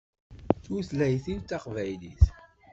Tutlayt-iw d taqbaylit.